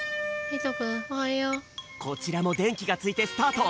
こちらもでんきがついてスタート！